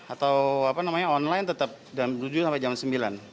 atau online tetap jam tujuh sampai jam sembilan